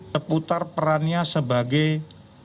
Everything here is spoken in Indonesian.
seputar perannya sebagai brand ambasador